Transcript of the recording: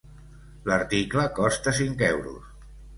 L'article costa cinc euros